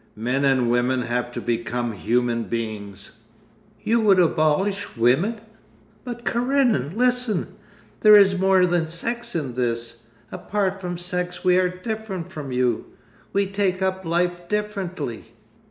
'Men and women have to become human beings.' 'You would abolish women? But, Karenin, listen! There is more than sex in this. Apart from sex we are different from you. We take up life differently.